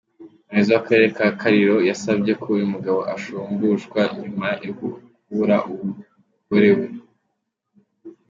Umuyobozi w’Akarere ka Kaliro yasabye ko uyu mugabo ashumbushwa nyuma yo kubura umugorewe.